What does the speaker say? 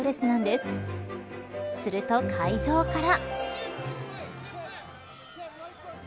すると会場から。